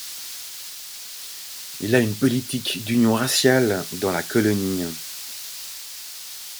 Il a une politique d'union raciale dans la colonie.